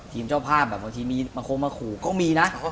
เจ้าภาพแบบบางทีมีบางคนมาขู่ก็มีนะ